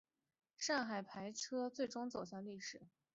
上海牌轿车最终走向历史。